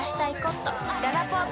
ららぽーと